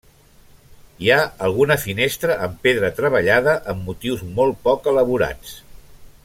Hi ha alguna finestra amb pedra treballada amb motius molt poc elaborats.